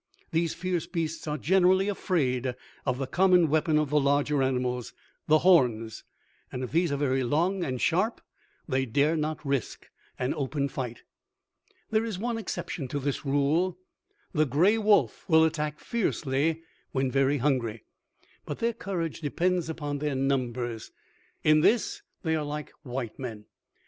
These fierce beasts are generally afraid of the common weapon of the larger animals, the horns, and if these are very long and sharp, they dare not risk an open fight. "There is one exception to this rule the gray wolf will attack fiercely when very hungry. But their courage depends upon their numbers; in this they are like white men.